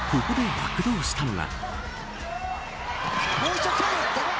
ここで躍動したのが。